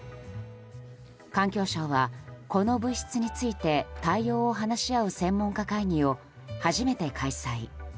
環境省はこの物質について対応を話し合う専門家会議を初めて開催。